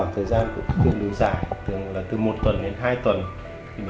thứ hai nữa là nếu mà